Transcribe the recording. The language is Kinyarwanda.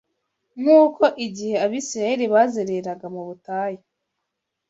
Nk’uko igihe Abisirayeli bazereraga mu butayu